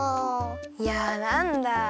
いやなんだ。